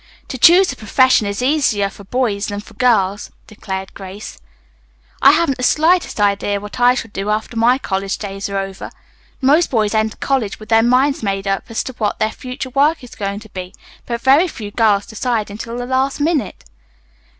"To choose a profession is easier for boys than for girls," declared Grace. "I haven't the slightest idea what I shall do after my college days are over. Most boys enter college with their minds made up as to what their future work is going to be, but very few girls decide until the last minute."